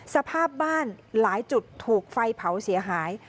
สภาพบ้านหลายจุดถูกไฟเผาเสียหาย